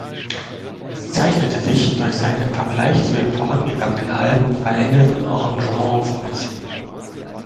Es zeichnete sich durch seine, im Vergleich zu den vorangegangenen Alben, veränderten Arrangements aus.